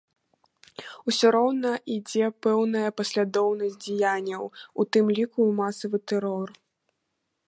Усё роўна ідзе пэўная паслядоўнасць дзеянняў, у тым ліку і масавы тэрор.